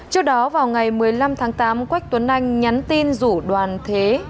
trước đó vào ngày một mươi năm tháng tám quách tuấn anh nhắn tin rủ đoàn thế